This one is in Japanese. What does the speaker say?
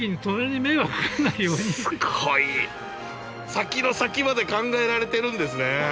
先の先まで考えられてるんですね。